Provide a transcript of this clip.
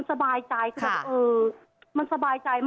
สามสิบบอโอเคไหม